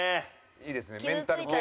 いいですねメンタルケアで。